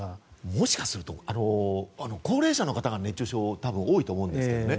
もしかすると高齢者の方が熱中症多分多いと思うんですけどね